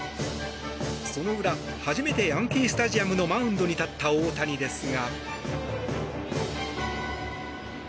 その裏、初めてヤンキー・スタジアムのマウンドに立った大谷ですが。